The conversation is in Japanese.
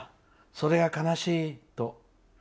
それが悲しいと。